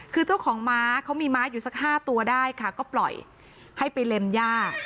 คือเจ้าของม้าเขามีม้าอยู่สัก๕ตัวได้ค่ะก็ปล่อยให้ไปเล็มย่า